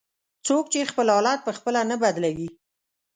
"څوک چې خپل حالت په خپله نه بدلوي".